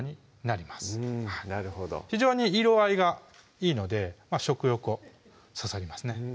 なるほど非常に色合いがいいので食欲をそそりますね